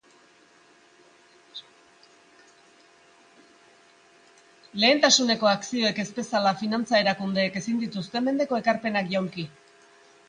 Lehentasuneko akzioek ez bezala, finantza-erakundeek ezin dituzte mendeko ekarpenak jaulki.